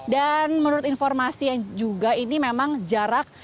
dan menurut informasi yang juga ini memang jarak